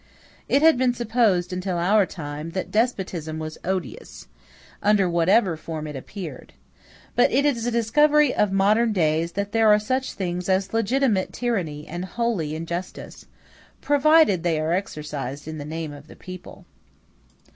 It had been supposed, until our time, that despotism was odious, under whatever form it appeared. But it is a discovery of modern days that there are such things as legitimate tyranny and holy injustice, provided they are exercised in the name of the people.